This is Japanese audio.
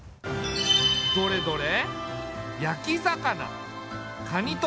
どれどれ。